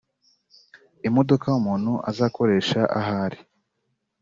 imodoka umuntu azakoresha ahari